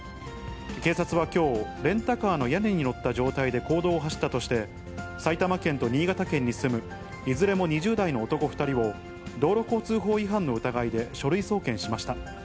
警察はきょう、レンタカーの屋根に乗った状態で公道を走ったとして、埼玉県と新潟県に住む、いずれも２０代の男２人を、道路交通法違反の疑いで書類送検しました。